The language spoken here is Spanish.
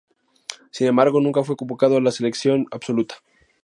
Sin embargo, nunca fue convocado con la selección absoluta.